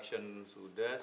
kita sudah selesai